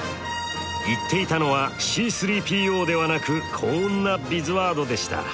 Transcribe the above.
言っていたのはＣ−３ＰＯではなくこんなビズワードでした。